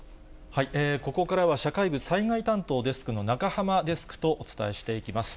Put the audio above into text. ここからは、社会部災害担当デスクの中濱デスクとお伝えしていきます。